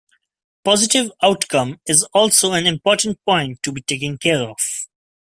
Positive outcome is also an important point to be taking care of.